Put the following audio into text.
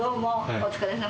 お疲れさま。